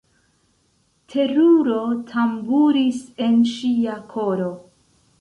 Teruro tamburis en ŝia koro.